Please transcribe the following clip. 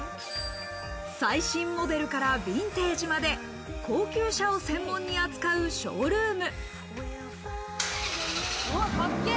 最新モデルからビンテージまで高級車を専門に扱うショールーム。